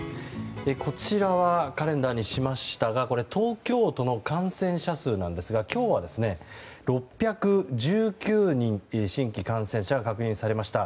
こちらはカレンダーにしましたが東京都の感染者数なんですが今日は６１９人新規感染者が確認されました。